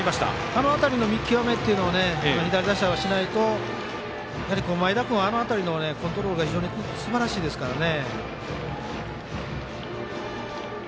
あの辺りの見極めを左打者はしないと前田君はあの辺りのコントロールがすばらしいですからね。